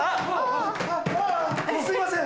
あぁすいません！